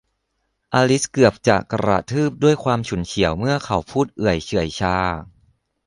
อลิซเกือบจะกระทืบด้วยความฉุนเฉียวเมื่อเขาพูดเอื่อยเฉื่อยชา